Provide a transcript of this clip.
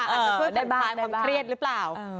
ได้บ้างได้บ้างเพื่อปฏิบัติความเครียดหรือเปล่า